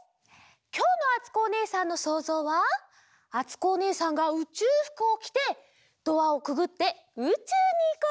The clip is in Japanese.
きょうのあつこおねえさんのそうぞうは「あつこおねえさんがうちゅうふくをきてドアをくぐってうちゅうにいこうとしているところ」です。